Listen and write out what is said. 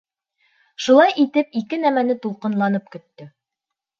Шулай итеп, ике нәмәне тулҡынланып көттөм.